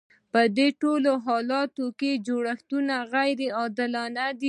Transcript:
په دې ټولو حالاتو کې جوړښت غیر عادلانه دی.